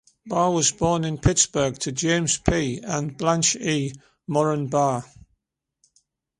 Barr was born in Pittsburgh to James P. and Blanche E. Moran Barr.